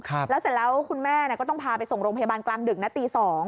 แล้วเสร็จแล้วคุณแม่ก็ต้องพาไปส่งโรงพยาบาลกลางดึกนะตีสอง